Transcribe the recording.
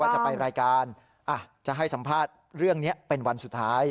จะไปรายการจะให้สัมภาษณ์เรื่องนี้เป็นวันสุดท้าย